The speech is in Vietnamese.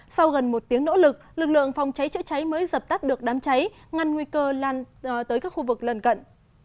sau gần một tiếng nỗ lực lực lượng phòng cháy chữa cháy mới dập tắt được đám cháy ngăn nguy cơ lan tới các khu vực lần cận